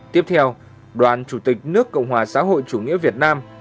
tiếp theo đoàn chủ tịch nước cộng hòa xã hội chủ nghĩa việt nam